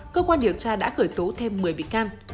cơ quan điều tra đã khởi tố thêm một mươi bị can